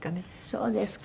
そうですか。